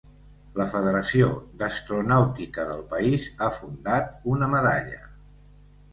La Federació d'Astronàutica del país ha fundat una medalla.